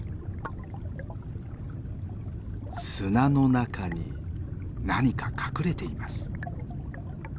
砂の中に何か隠れています。